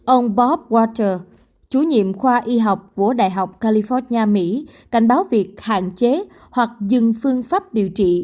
ông borp watcher chủ nhiệm khoa y học của đại học california mỹ cảnh báo việc hạn chế hoặc dừng phương pháp điều trị